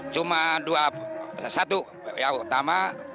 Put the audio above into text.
cuma dua satu yang utama